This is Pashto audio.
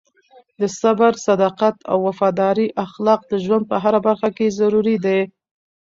د صبر، صداقت او وفادارۍ اخلاق د ژوند په هره برخه کې ضروري دي.